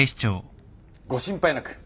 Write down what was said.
ご心配なく。